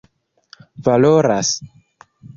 valoras